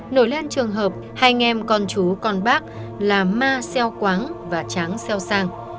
nổi lên trường hợp hai anh em con chú con bác là ma xeo quáng và tráng xeo sang